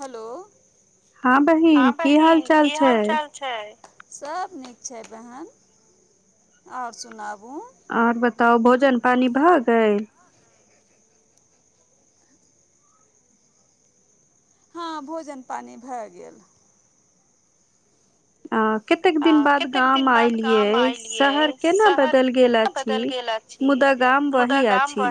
Hello, हँ बहिन की हाल चाल छै, सब नीक छै बहन और सुनाबू। और बताउ भोजन पानी भऽ गैइल? हँ भोजन पानी भए गेल। आ। कतेक दिन बाद गाम आऐलिये शहर केना बदल गेल आछी। मुदा गाम वही आछी।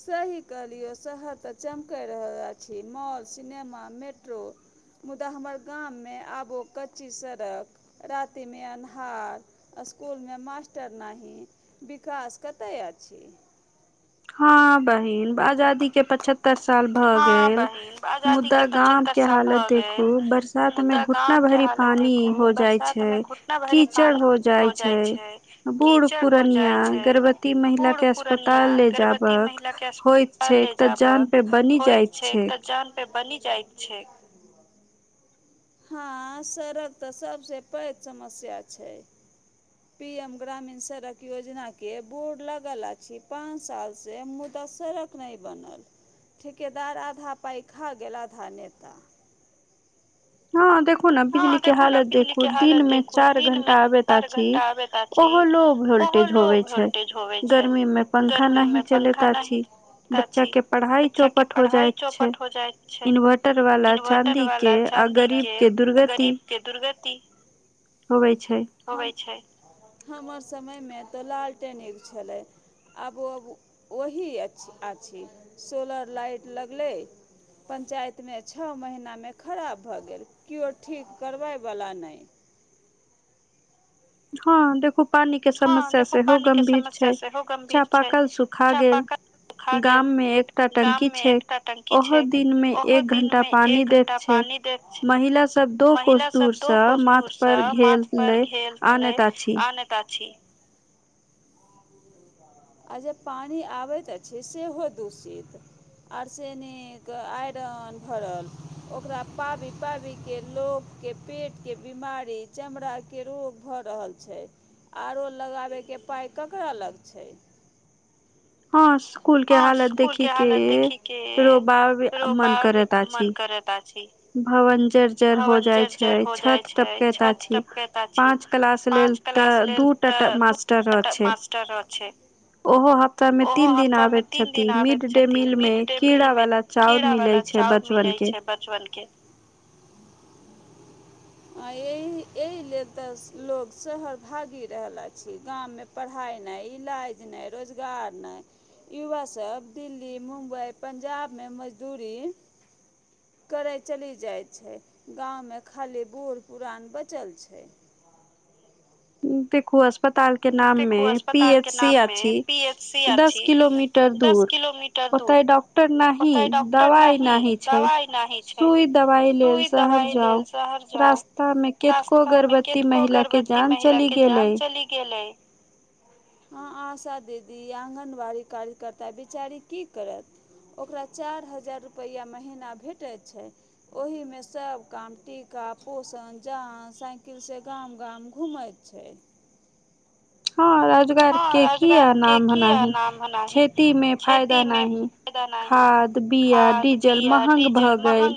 सही कहलियौ शहर तऽ चमकि रहल अछि मॉल सिनेमा मेट्रो मुदा हमर गाममे आबो कच्ची सड़क रातिमे अन्हार असकुलमे मास्टर नाही विकास कतेय अछि। हां बहिन आजादी के पचहत्तर साल भ गेल मुद्दा गाम के हालत देखू बरसात मे घुटना भरी पानी हो जाय छै, कीचड़ हो जाय छै, अ बुड़ पुरनिया गर्भवती महिला के अस्पताल ले जाबक होएत छैक एक तै जान पे बनि जाएत छै। जान पे बनि जाएत छै। हां सड़क तै सबसे पैघ समस्या छै। पी एम ग्रामीण सड़क योजना के बोर्ड लगल अछि पाँच साल से मुदा सड़क नै बनल ठिकेदार आधा पाइ खा गेल, आधा नेता हां देखू नै बिजली के हालत देखू दिन मे चार घंटा अबेत अछि ओहो लो वोल्टेज होवे छै, गर्मी मे पंखा नही चलैत अछि। बच्चा के पढ़ाई चौपट हो जाएत छै, इन्वर्टर वाला चाँदी के आ गरीब के अ गरीब के दुर्गति होबे छै। हमर समय मे तऽ लालटेने के छलै आबो अब उ वही अछि आछी सोलर लाइट लगलै पंचायत मे छ महीना मे खराब भऽ गेल कियौ ठीक करबय बला नै। हां देखू पानी के समस्या सेहो गंभीर छै, चापाकल सुखा गेल। गाम मे एकटा टंकी छै ओहो दिन मे एक घंटा पानी दैत छै। महिला सब दो कोस दूर से माथ पर घेल लै नै आनैत अछि। आ जे पानी आबैत अछि सेहो दूषित आर्सेनिक, आयरन भरल ओकरा पाबि-पाबि के लोक के पेट के बीमारी, चमड़ा के रोग भऽ रहल छै। आरो लगाबै के पाइ ककरा लग छै। हां स कुल के हालत देखी के रोबा बे मन करैत अछि। भवन जर-जर हो जाय छै, छत टपकेत अछि पाँच क्लास लेल तै दू ट टा मास्टरा छै ओहो हप ताह मे तीन दिन आबैत छथि मिड डे मील में कीड़ा वाला चाउर मिलै छै बचवन के। बचवन के हू [inaudible] अ एहि-एहि लेल तऽ लोग शहर भागि रहल अछि गाम मे पढ़ाय नै, इलाज नै, रोजगार नै। युवा सब दिल्ली, मुम्बई, पंजाब मे मजदूरी करै चलि जाए छै, गाँव मे खाली बूढ़ पुरान बचल छै। उम्म देखु आस अस्पताल के नाम मे पी एच सी अछि दस किलोमीटर दूर ओतय डॉक्टर नाहीं दवाई नाहीं छै, सुई-दवाई लेल शहर जाउ रास्ता मे कैतको गर्भवती महिला के जान महिला के जान चलि गेल ऐ। हां आशा दीदी, आंगन बाड़ी कार्यकर्ता बेचारी की करत? ओकरा चार हजार रुपैया महीना भेटै छै। ओहिमे सब काम टीका, पोषण जान साइकिल से गाम -गाम घूमैत छैय। हँ रोजगार के किया नाम नाहि खेतीमे फायदा नाहि। खाद, बीया, डीजल महग भ गेल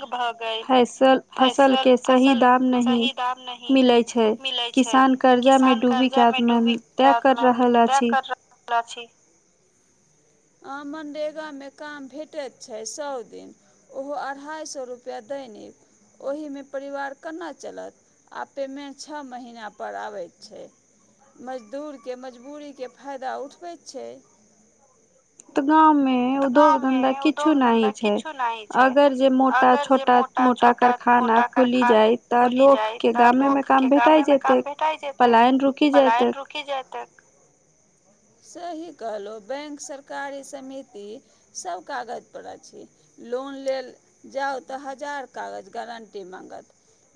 फैसल फसल के सही दाम नहि मिलै छैय किसान कर्जामे डूबी [unintelligible] मालिकता क [unintelligible] छैय। अ मनरेगामे काम भेटैत छै सभ दिन। ओहो अढ़ाइ सौ रुपैआ दैनिक ओहीमे परिवार केना चलत। आ पेमेंट छ महीनापर आबैय छैय। मजदूरके मजबूरीके फायदा उठबैत छैय। त गाँंव मे उद्योग धंधा किछो नाही छैय अगर जे मोटा छोटा मोटा कारखाना खुली जाय त लोकके गामेमे काम भेटाई जेतै। पलायन रुकी जयते। सही कहलो बैंक सरकारी समिति समिति सभ कागजपर अछि। लोन लेल जाउ त हजार कागज गारण्टी मांगत।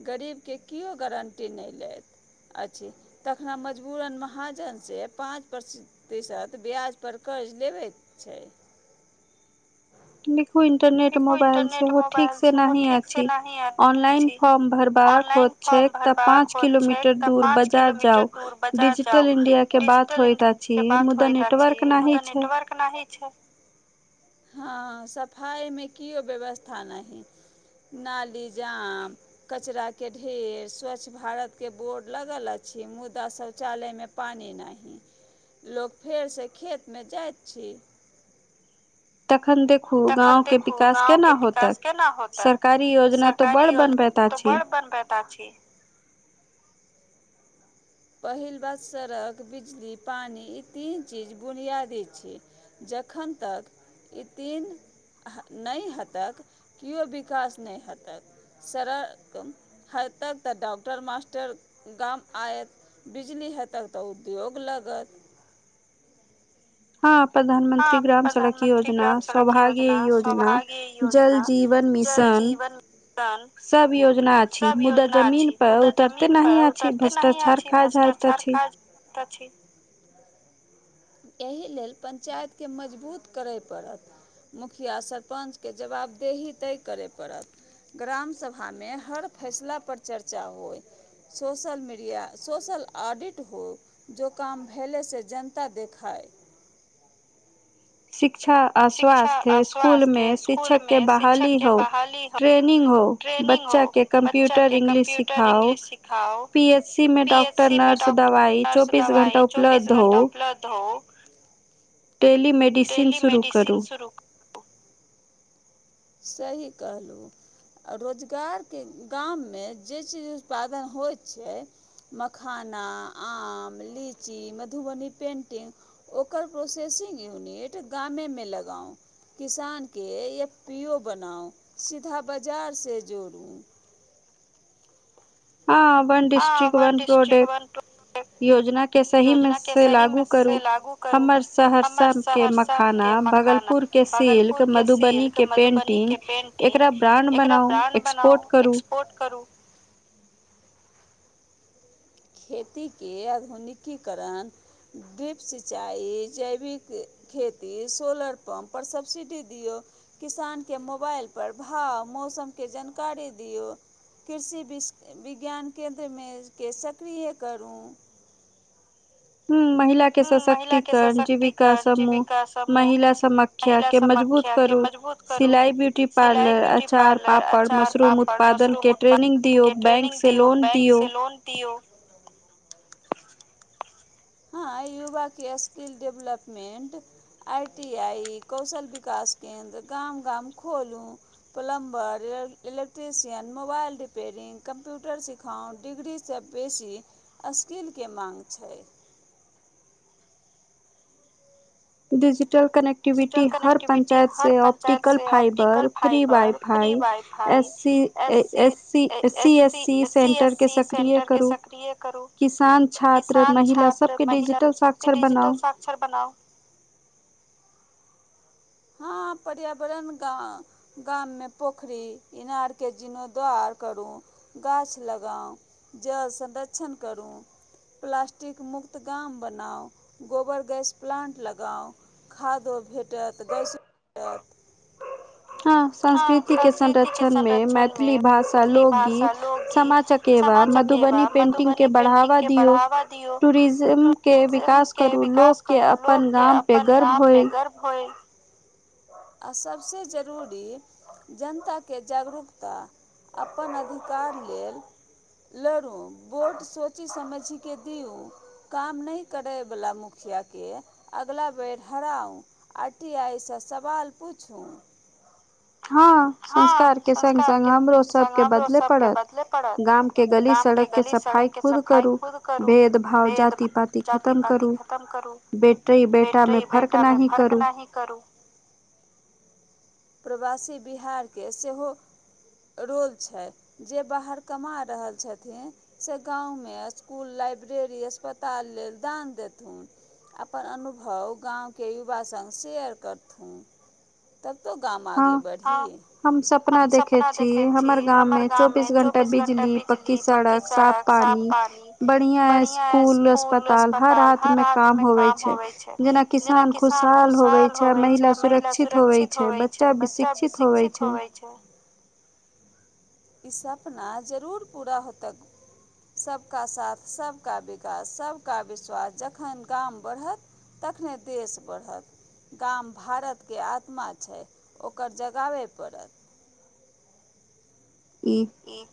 गरीबके किओ गारण्टी नय लेत अछि। तखन मजबूरन महाजन से पाँच प्रतिशत तिसत ब्याजपर कर्ज लेबै छैय। देखू इंटरनेट मोबाइल सेहो ठीक से नाहि एल छैय, ऑनलाइन फॉर्म भरबाक होत छैक त पाँच किलोमीटर दूर बजार जाउ डिजिटल इंडिया के बात होइत अछि मुदा नेटवर्क नाहि छैय। हँ सब फाइमे किओ व्यवस्था नाही नाली जाम कचराके ढेर स्वच्छ भारतके बोर्ड लगल अछि मुदा शौचालयमे पानि नाही लोक फेरसँ खेतमे जाइत छी तखन देखू गाँंव के विकास केना होतै सरकारी योजना त बड़ बनब त बड़ बनबैत आछी। पहिल बात सड़क, बिजली, पानि इ तीन चीज बुनियादी छी। जखन तक इ तीन नहि हेतक किओ विकास नहि हेतैक। सड़क [unintelligible] त डॉक्टर, मास्टर गाम आयत। बिजली हेतन त उद्योग लगत। हँ प्रधानमंत्री ग्राम सड़क योजना सौभागी योजना जल जीवन [unintelligible] सब योजना अछि। मुदा जमीन पर उतरते नाही अछि भ्रष्टाचार काज अछि। एहि लेल पञ्चायतके मजबूत करय पड़त। मुखिया सरपञ्चके जवाबदेही तय करय पड़त। ग्रामसभामे हर फैसलापर चर्चा होइ। सोशल मीडिया सोशल ऑडिट होय। जो काम भेलै से जनता देखय। शिक्षा अ स्वास्थ्य इस्कुलमे शिक्षकके बहाली होव ट्रेनिंग होव। बच्चाके कम्प्यूटर इंग्लिश सिखाऊ पी- एच- सी मे डॉक्टर नर्स, दवाइ चौबीस घंटा उपलब्ध हौ। टेलीमेडिसिन शुरू [unintelligible] सुरू [inaudible] सही कहलहुँ। आ रोजगारके गाममे जे चीज उत्पादन होइ छै मखाना आम लीची मधुबनी पेन्टिंग। ओकर प्रोसेसिंग यूनिट गामेमे लगाउ। किसानके एफ पी ओ बनाउ सीधा बाजार से जोड़ू। हँ वन डिस्ट्रिक्ट वन प्रोडक्ट। योजना के सही मेऽ से लागू करू हमर सहरसा के मक खाना भगलपुर के सिल्क मधुबनी के पेंटिंग एकरा ब्राण बनाउ बनाउ एक्सपोर्ट करू। खेतीके आधुनिकीकरण डीप सिंचाइ जैविक खेती सोलर पम्प पर सब्सिडी दियौ। किसानके मोबाइलपर भाव मौसमके जानकारी दियौ। कृषि विस विज्ञान केन्द्रमे के सक्रिय करू। ह्म महिला के सशक्तिकरण जीविका समूह महिला समक खिया के मजबूत करू सिलाई ब्यूटी पार्लर अचार पापड़ मशरूम उत्पादन के ट्रेनिंग दियौ बैंक से लोन दियौ। हँ युवाके skill development I T I कौशल विकास केन्द्र गाम गाम खोलू। Plumber electrician mobile repairing computer सीख हां डिग्रीसँ बेसी स्किलके माँग छै। डिजिटल कने्ट एक्टिविटी हर पञ्चायत से optical fibre free wifi S C S C C A C centre के सक्रिय करू। किसान छात्र महिला सबके डिजिटल साक्षर बनाउ। छर बनाउ। हँ पर्यावरण गाँ गाममे पोखरि इनारके जीणोद्वार करू गाछ लगाउ। जल संरक्षण करू। प्लास्टिक मुक्त गाम बनाउ गोबर गैस प्लान्ट लगाउ। खादो भेटत गैसो हँ संस्कृति के संरक्षणमे मैथिली भाषा लोकगीत। समा चकेवा मधुबनी पेंटिंग के बढ़ावा दियौ टूरिज्म के विकास करू लोक के अपन गामपे गर्व होइ। अ सभसँ जरूरी। जनताके जागरूकता अप्पन अधिकार लेल लरु बोट सोचि समझिके दियू। काम नहि करयवला मुखियाके अगिला बेर हराउ। आर टी आइ सँ सवाल पूछू। हँ संस्कारके संग हमरो सबके बदलय पड़त। गाम के गली सड़क के सफाई खुद करू भेद-भाव जाति -पाति खतम करू। बेटी बेटामें फर्क नाही करू। प्रवासी बिहारके सेहो रोल छैथ। जे बाहर कमा रहल छथिन। से गांव में इस्कुल, लाइब्रेरी, अस्पताल लेल दान देथुन। अपन अनुभव गांवके युवा सङ्ग शेयर करथुन। तो गाम आगे बढ़ी। हम सपना देखे छी, हमर गाम मे चौबीस घंटा बिजली पक्की सड़क। साफ पानी। बढ़िया स्कूल अस्पताल हर हालत में काम होवे छै। जेना किसान खुशहाल होवै छै, महिला सुरक्षित होवै छै। सब शिक्षित होवै छै। ई सपना जरूर पूरा होतक। सबका साथ सबका विकास, सबका विश्वास जखन गाम बढ़त तखने देश बढ़त। गाम भारत के आत्मा छै, ओकर जगाबय पड़त। ई। इक।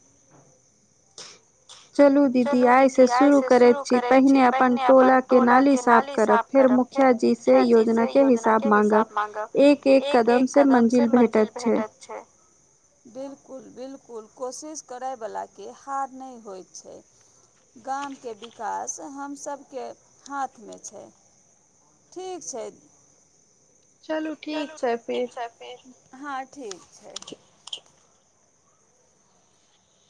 चलू दीदी आइसँ शुरू करैत छी, पहिने अपन टोलाके नाली साफ करब। फेर मुखिया जी से योजना के हिसाब मांगब। एक- एक कदम से मंजिल भेटत छै। ह बिलकुल -बिलकुल कोशिश करय‌ऽ वला के हार नै होइ छै। गाम के विकास हम सबके हाथ में छै। ठीक छै। चलू ठीक छै फिर हँ ठीक छै।